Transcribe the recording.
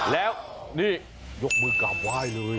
แล้วนี่ยกมือกลับไหว้เลย